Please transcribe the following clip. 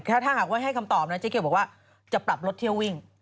ถ้าหากว่าให้คำตอบนะเจ๊เกียวบอกว่าจะปรับรถเที่ยววิ่ง